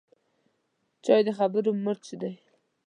چای د خبرو مرچ دی